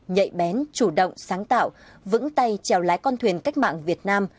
nhạy bén chủ động sáng tạo vững tay trèo lái con thuyền cách mạng việt nam